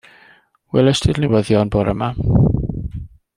Welist ti'r newyddion bora 'ma?